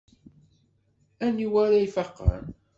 Aniwa ara ifaqen?